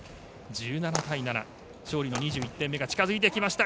１７対７勝利の２１点目が近付いてきました。